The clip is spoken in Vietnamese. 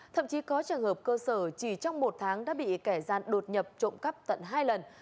thậm chí có trường hợp cơ sở chỉ trong một tháng đã bị kẻ gian đột nhập trộm cắp tận hai lần